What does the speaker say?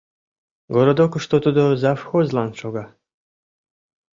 Городокышто тудо завхозлан шога.